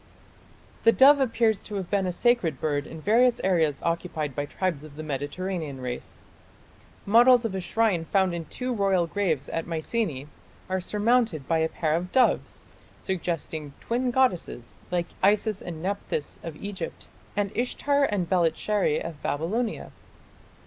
The dove appears to have been a sacred bird in various areas occupied by tribes of the Mediterranean race. Models of a shrine found in two royal graves at Mycenae are surmounted by a pair of doves, suggesting twin goddesses like Isis and Nepthys of Egypt and Ishtar and Belitsheri of Babylonia.